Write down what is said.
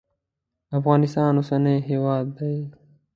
افغانستان اوسنی هیواد دی.